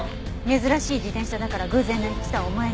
珍しい自転車だから偶然の一致とは思えない。